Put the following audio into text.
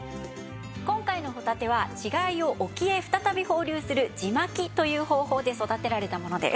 今回のほたては稚貝を沖へ再び放流する地まきという方法で育てられたものです。